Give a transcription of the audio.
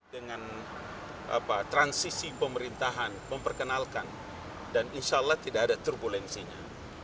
dengan transisi pemerintahan memperkenalkan dan insya allah tidak ada turbulensinya